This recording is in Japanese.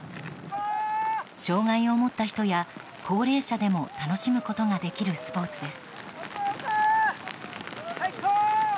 障害を持った人や、高齢者でも楽しむことができるスポーツです。